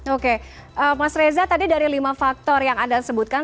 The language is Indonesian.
oke mas reza tadi dari lima faktor yang anda sebutkan